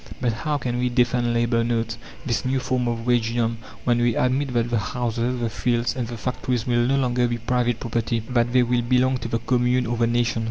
But how can we defend labour notes, this new form of wagedom, when we admit that the houses, the fields, and the factories will no longer be private property, that they will belong to the commune or the nation?